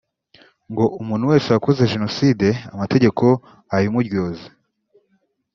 ngo umuntu wese wakoze Jenoside amategeko abimuryoze